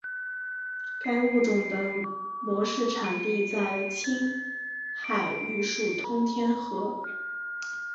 该物种的模式产地在青海玉树通天河。